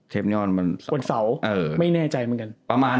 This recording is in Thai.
เทปนี้ออนวันเสาร์ไม่แน่ใจเหมือนกัน